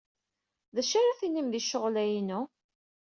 D acu ara tinim di ccɣel-a-inu?